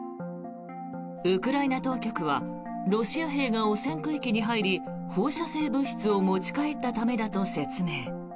ウクライナ当局はロシア兵が汚染区域に入り放射性物質を持ち帰ったためだと説明。